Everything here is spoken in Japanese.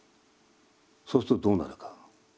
そうするとどうなるか。